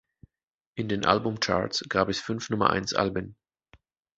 In den Album-Charts gab es fünf Nummer-eins-Alben.